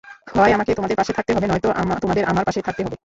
হয় আমাকে তোমাদের পাশে থাকতে হবে, নয়তো তোমাদের আমার পাশে থাকতে হবে।